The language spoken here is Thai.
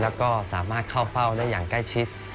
แล้วก็สามารถเข้าเฝ้าได้อย่างใกล้ชิด